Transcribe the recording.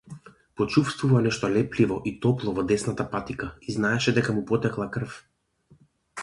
Почувствува нешто лепливо и топло во десната патика и знаеше дека му потекла крв.